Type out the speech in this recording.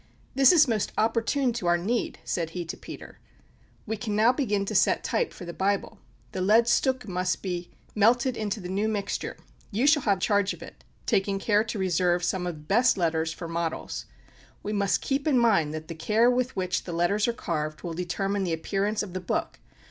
"This is most opportune to our need," said he to Peter; "we can now begin to set type for the Bible. The lead stucke must be melted into the new mixture; you shall have charge of it, taking care to reserve some of the best letters for models. We must keep in mind that the care with which the letters are carved will determine the appearance of the book.